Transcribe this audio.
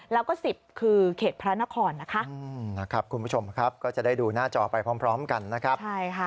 แล้วก็๑๐คือเขตพระนครนะคะคุณผู้ชมครับก็จะได้ดูหน้าจอไปพร้อมกันนะครับ